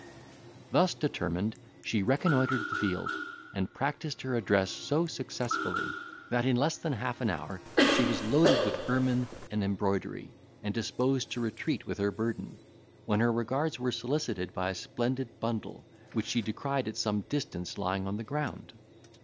Thus determined, she reconnoitred the field, and practised her address so successfully, that in less than half an hour she was loaded with ermine and embroidery, and disposed to retreat with her burden, when her regards were solicited by a splendid bundle, which she descried at some distance lying on the ground.